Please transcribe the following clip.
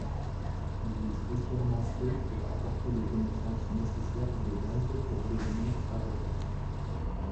Il est spécialement fait pour apporter les connaissances nécessaires de base pour devenir avocat.